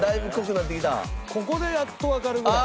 ここでやっとわかるぐらい。